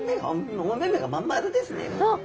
お目々が真ん丸ですねもう。